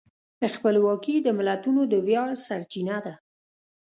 خپلواکي د ملتونو د ویاړ سرچینه ده.